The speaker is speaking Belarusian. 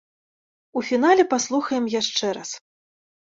У фінале паслухаем яшчэ раз.